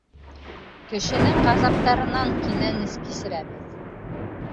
Кешенең ғазаптарынан кинәнес кисерәбеҙ.